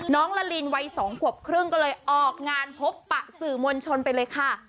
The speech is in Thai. น้องลารินวัยสองกว่าครึ่งก็เลยออกงานพบปะสื่อมวลชนไปเลยค่ะ